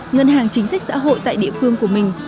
ngân hàng chính sách xã hội tại địa phương của mình